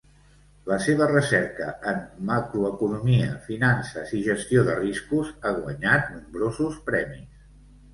La seva recerca en macroeconomia, finances i gestió de riscos ha guanyat nombrosos premis.